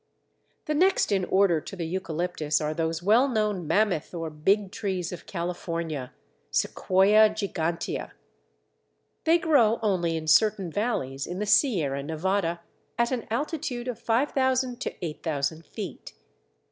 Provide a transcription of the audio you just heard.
The next in order to the Eucalyptus are those well known Mammoth or Big trees of California (Sequoia gigantea). They grow only in certain valleys in the Sierra Nevada, at an altitude of 5000 8000 feet.